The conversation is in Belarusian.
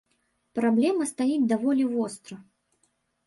Праблема стаіць даволі востра.